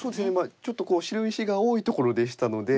ちょっと白石が多いところでしたので。